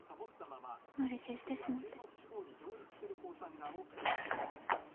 無理強いしてしもうて。